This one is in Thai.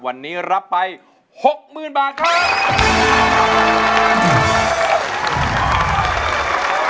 วันนี้รับไป๖๐๐๐บาทครับ